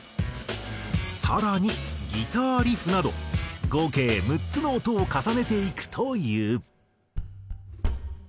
更にギターリフなど合計６つの音を重ねていくという。